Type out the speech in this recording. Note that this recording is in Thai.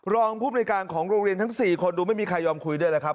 รองผู้บริการของโรงเรียนทั้ง๔คนดูไม่มีใครยอมคุยด้วยแล้วครับ